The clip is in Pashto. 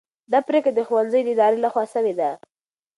دا پرېکړه د ښوونځي د ادارې لخوا سوې ده.